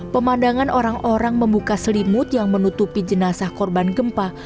pemandangan orang orang membuka selimut yang menutupi jenazah korban gempa